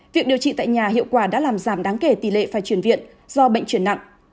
việc điều trị tại nhà hiệu quả đã làm giảm đáng kể tỷ lệ phải chuyển viện do bệnh chuyển nặng